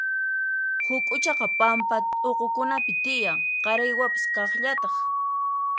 Huk'uchaqa pampa t'uqukunapi tiyan, qaraywapas kaqllataq.